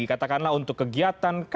katakanlah untuk kegiatan